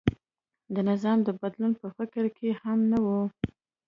د نظام د بدلون په فکر کې هم نه و.